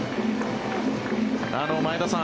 前田さん